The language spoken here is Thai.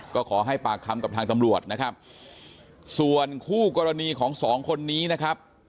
ก็ขอให้ปากคำกับทางตำรวจนะครับส่วนคู่กรณีของสองคนนี้นะครับ